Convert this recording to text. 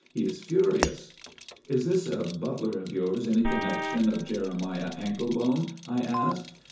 He is furious." "Is this butler of yours any connection of Jeremiah Anklebone?" I asked.